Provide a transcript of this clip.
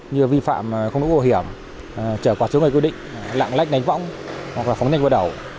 như vi phạm không đủ bổ hiểm trở quả trước người quyết định lạng lách nánh võng hoặc là phóng nhanh vượt ẩu